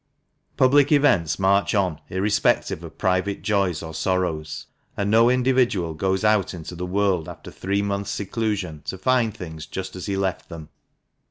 Public events march on irrespective of private joys or sorrows, and no individual goes out into the world after three months' seclusion to find things just as he left them.